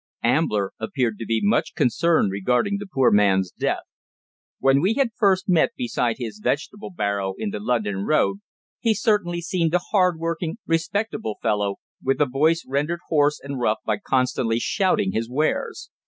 Ambler appeared to be much concerned regarding the poor man's death. When we had first met beside his vegetable barrow in the London Road he certainly seemed a hard working, respectable fellow, with a voice rendered hoarse and rough by constantly shouting his wares.